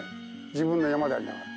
自分の山でありながら。